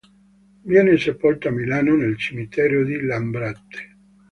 Viene sepolto a Milano nel Cimitero di Lambrate.